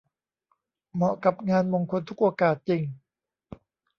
เหมาะกับงานมงคลทุกโอกาสจริง